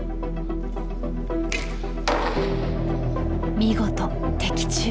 見事的中。